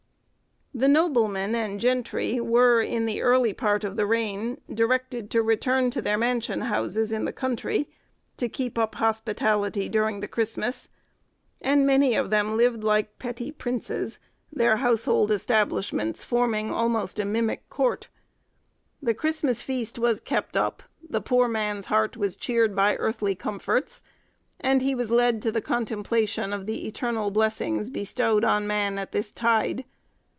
'" The noblemen and gentry were, in the early part of the reign, directed to return to their mansion houses in the country, to keep up hospitality during the Christmas; and many of them lived like petty princes, their household establishments forming almost a mimic court. The Christmas feast was kept up, the poor man's heart was cheered by earthly comforts, and he was led to the contemplation of the eternal blessings bestowed on man at this tide.